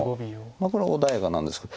これ穏やかなんですけど。